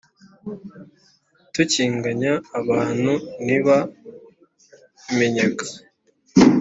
tukinganya abantu ntiba bimenyaga